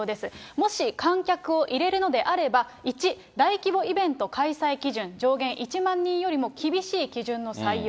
もし観客を入れるのであれば、１、大規模イベント開催基準、上限１万人よりも厳しい基準の採用。